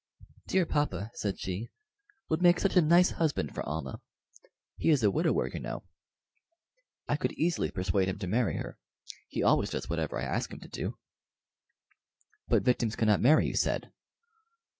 "Dear papa," said she, "would make such a nice husband for Almah. He is a widower, you know. I could easily persuade him to marry her. He always does whatever I ask him to do." "But victims cannot marry, you said."